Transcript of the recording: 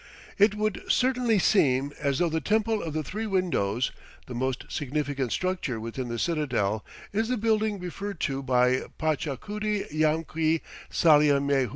It would certainly seem as though the Temple of the Three Windows, the most significant structure within the citadel, is the building referred to by Pachacuti Yamqui Saleamayhua.